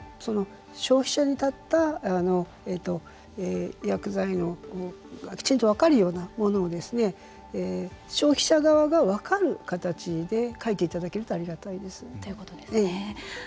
消費者に立った薬剤がきちんと分かるようなものを消費者側が分かる形で書いていただけるとありがたいですね。